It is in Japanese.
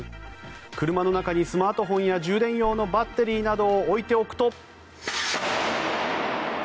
車の中にスマートフォンや充電用のバッテリーなどを置いておくと。